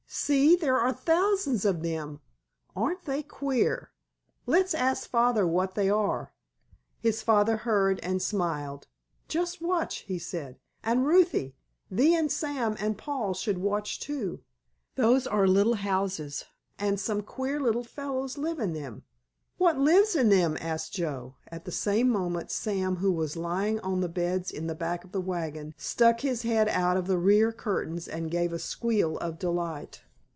See, there are thousands of them! Aren't they queer? Let's ask Father what they are." His father heard and smiled. "Just watch," he said. "And Ruthie, thee and Sam and Paul should watch, too. Those are little houses, and some queer little fellows live in them." "What lives in them?" asked Joe. At the same moment Sam, who was lying on the beds in the back of the wagon, stuck his head out of the rear curtains and gave a squeal of delight.